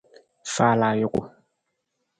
Faala ajuku.